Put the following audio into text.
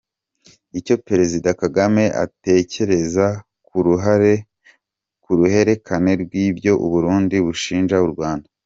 Icyo Perezida Kagame atekereza ku ruhererekane rw’ibyo u Burundi bushinja u Rwanda